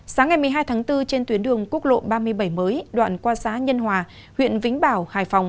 sáng ngày một mươi hai tháng bốn trên tuyến đường quốc lộ ba mươi bảy mới đoạn qua xã nhân hòa huyện vĩnh bảo hải phòng